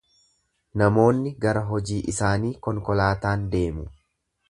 Namoonni gara hojii isaanii konkolaataan deemu.